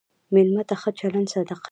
مېلمه ته ښه چلند صدقه ده.